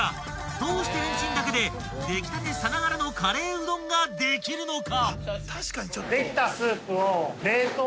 どうしてレンチンだけで出来たてさながらのカレーうどんができるのか？］